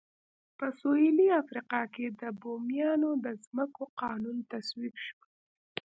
په سوېلي افریقا کې د بومیانو د ځمکو قانون تصویب شو.